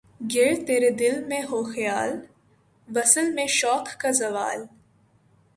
گر تیرے دل میں ہو خیال‘ وصل میں شوق کا زوال؟